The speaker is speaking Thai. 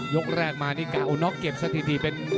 ยกแรกมานี่เอาน็อกเก็บสักที